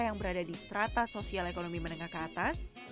yang berada di strata sosial ekonomi menengah ke atas